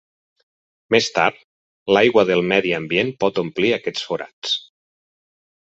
Més tard, l'aigua del medi ambient pot omplir aquests forats.